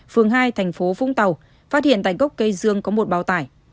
phường hai thành phố vũng tàu phát hiện tại gốc cây dương có một bao tải